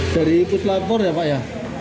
dari ikut lapor ya pak ya